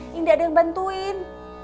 tidak ada yang bantuin